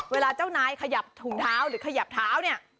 เวลาเจ้านายขยับถุงเท้าหรือขยับเท้าเนี่ย